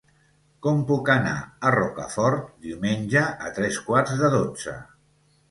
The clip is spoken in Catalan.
Com puc anar a Rocafort diumenge a tres quarts de dotze?